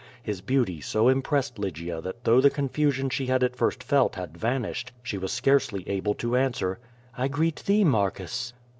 His beauty so impressed Lygia that though the confusion she had at first felt had vanished, she was scarcely able to answer: "I greet thee, Marcus.'